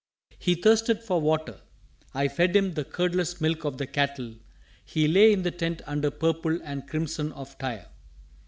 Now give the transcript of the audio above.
He thirsted for water: I fed him the curdless milk of the cattle. He lay in the tent under purple and crimson of Tyre.